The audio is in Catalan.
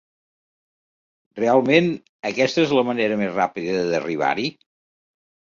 Realment aquesta és la manera més ràpida d'arribar-hi?